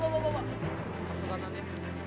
さすがだね。